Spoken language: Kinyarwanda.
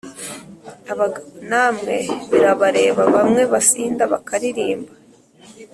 Abagabo namwe birabareba b amwe basinda bakaririmba